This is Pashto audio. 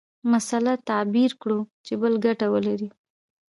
مسأله تعبیر کړو چې بل ګټه ولري.